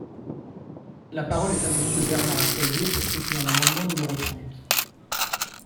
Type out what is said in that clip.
La parole est à Monsieur Bernard Accoyer, pour soutenir l’amendement numéro trente.